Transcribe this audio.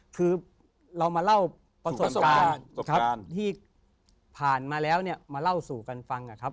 คือเรามาเล่าประสบการณ์ที่ผ่านมาแล้วเนี่ยมาเล่าสู่กันฟังนะครับ